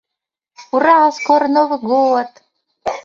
Dilithium is mined from moons by resource gatherers.